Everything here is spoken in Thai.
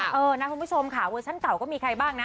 เออนะคุณผู้ชมค่ะเวอร์ชั่นเก่าก็มีใครบ้างนะ